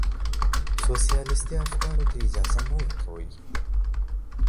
سوسياليستي افکارو ته اجازه مه ورکوئ.